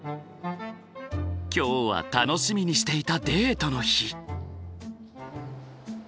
今日は楽しみにしていたデートの日。